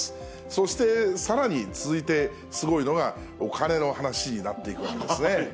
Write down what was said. そしてさらに続いてすごいのが、お金の話になっていくわけですね。